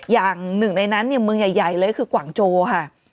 อย่างหนึ่งในนั้นเนี่ยเมืองใหญ่เลยคือกว่างโจค่ะ